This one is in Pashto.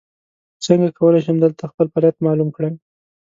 څنګه کولی شم دلته خپل فعالیت معلوم کړم ؟